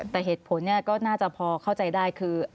แต่เหตุผลก็น่าจะพอเข้าใจได้คือ